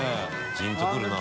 ジンとくるな。